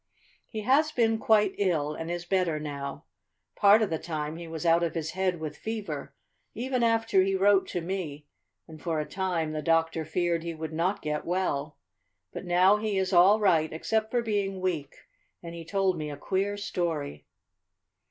"He has been quite ill, and is better now. Part of the time he was out of his head with fever, even after he wrote to me, and for a time the doctor feared he would not get well. But now he is all right, except for being weak, and he told me a queer story.